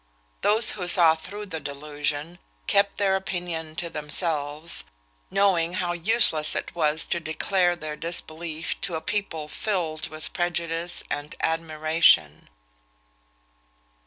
Those who saw through the delusion kept their opinion to themselves, knowing how useless it was to declare their disbelief to a people filled with prejudice and admiration."